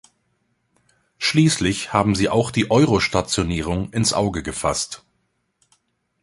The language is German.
Schließlich haben Sie auch die Euro-Stationierung ins Auge gefasst.